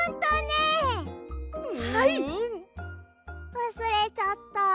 わすれちゃった。